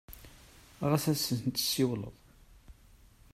Ɣas ad sen-tsiwleḍ?